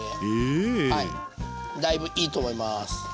だいぶいいと思います。